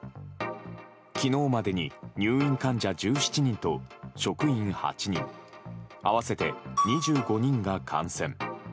昨日までに入院患者１７人と職員８人合わせて２５人が感染。